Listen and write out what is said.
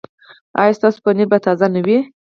ایا ستاسو پنیر به تازه نه وي؟